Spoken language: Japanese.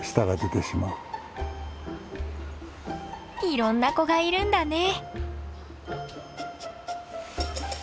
いろんな子がいるんだね。